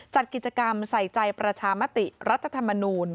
จัดกิจกรรมใส่ใจประชามติรัฐธรรมนูล